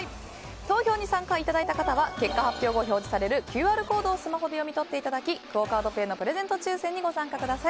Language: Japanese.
投票に参加いただいた方は結果発表後表示されるＱＲコードをスマホで読み取っていただきクオ・カードペイのプレゼント抽選にご参加ください。